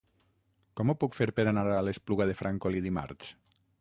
Com ho puc fer per anar a l'Espluga de Francolí dimarts?